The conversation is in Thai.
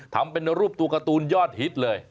ทำเป็นรูปตัวการ์ตูนยอดฮิตเลย